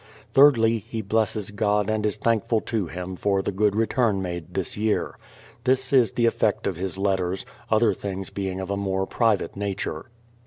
Thirdly, he blesses God and is thankful to Him for the good return made this year. This is the effect of his letters, other things being of a more private nature.